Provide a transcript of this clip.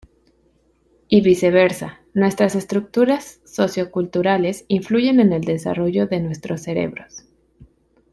Y viceversa: nuestras estructuras socioculturales influyen en el desarrollo de nuestros cerebros.